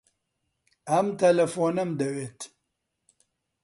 ئەم تەلەفۆنەم دەوێت.